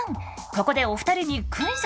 ここでお二人にクイズ！